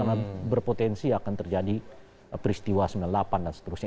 karena berpotensi akan terjadi peristiwa sembilan puluh delapan dan seterusnya